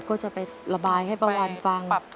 ก็จะไประบายให้ป้าวันฟัง